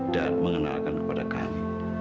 dan mengenalkan kepada kami